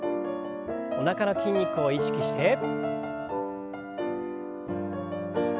おなかの筋肉を意識して。